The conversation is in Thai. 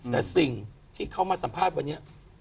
แต่สิ่งที่เขามาสัมภาษณ์วันนี้